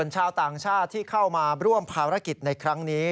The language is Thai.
ชาวต่างชาติที่เข้ามาร่วมภารกิจในครั้งนี้